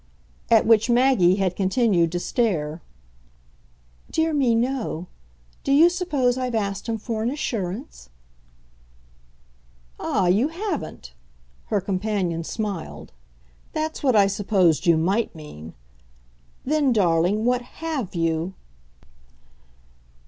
At which Maggie had continued to stare. "Dear me, no. Do you suppose I've asked him for an assurance?" "Ah, you haven't?" Her companion smiled. "That's what I supposed you MIGHT mean. Then, darling, what HAVE you